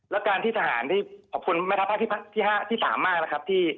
และการที่สหารที่ขอบคุณมาธรรพาที่๓มากนะครับ